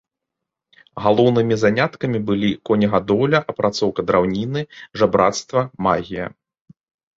Галоўнымі заняткамі былі конегадоўля, апрацоўка драўніны, жабрацтва, магія.